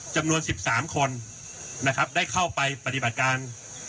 จำนวน๑๓คนได้เข้าไปปฏิบัติการ